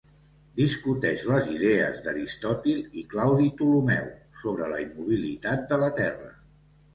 Discuteix les idees d'Aristòtil i Claudi Ptolemeu sobre la immobilitat de la terra.